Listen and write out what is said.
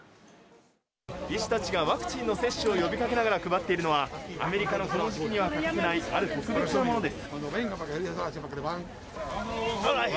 医師たちがワクチンの接種を呼びかけながら配っているのはアメリカのこの時期には欠かせない特別なものです。